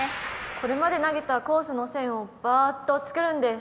これまで投げたコースの線をバーッと作るんです。